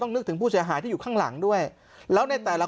นึกถึงผู้เสียหายที่อยู่ข้างหลังด้วยแล้วในแต่ละ